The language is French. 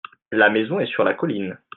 la maison est sur la colline.